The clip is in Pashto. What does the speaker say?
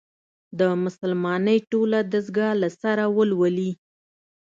د «مسلمانۍ ټوله دستګاه» له سره ولولي.